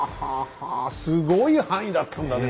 すごい範囲だったんだね